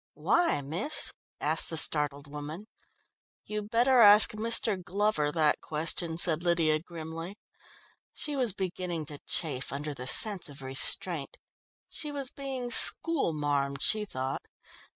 "Why, miss?" asked the startled woman. "You'd better ask Mr. Glover that question," said Lydia grimly. She was beginning to chafe under the sense of restraint. She was being "school marmed" she thought.